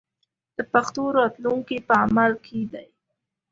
د پښتو راتلونکی په عمل کې دی.